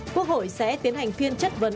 quốc hội sẽ tiến hành phiên chất vấn